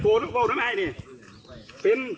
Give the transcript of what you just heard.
พอได้ปะ